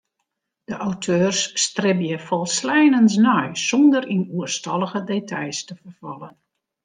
De auteurs stribje folsleinens nei sûnder yn oerstallige details te ferfallen.